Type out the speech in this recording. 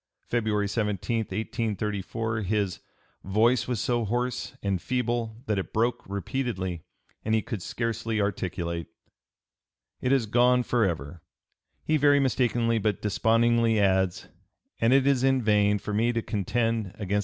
February 17, 1834, his "voice was so hoarse and feeble that it broke repeatedly, and he could scarcely articulate. It is gone forever," he very mistakenly but despondingly adds, "and it is in vain for me to contend against (p.